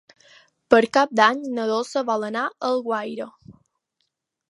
Per Cap d'Any na Dolça vol anar a Alguaire.